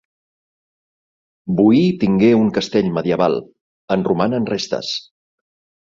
Boí tingué un castell medieval; en romanen restes.